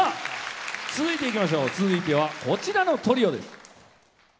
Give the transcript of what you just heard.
続いては、こちらのトリオです。